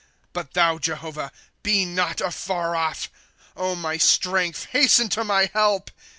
" But thou, Jehovah, be not afar off; my strength, hasten to my help.